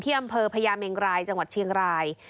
อำเภอพญาเมงรายจังหวัดเชียงราย